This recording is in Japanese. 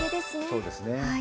そうですね。